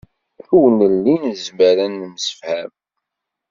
Ur nelli nezmer ad nemsefham.